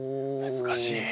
難しい。